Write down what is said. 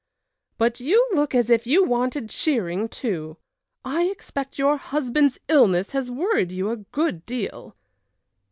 "But you look as if you wanted cheering too. I expect your husband's illness has worried you a good deal."